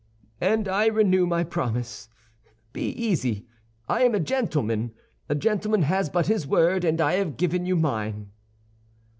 "And I renew my promise. Be easy, I am a gentleman. A gentleman has but his word, and I have given you mine."